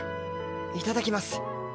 いただきます。